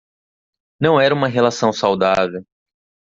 Não era uma relação saudável